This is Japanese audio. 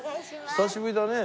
久しぶりだね。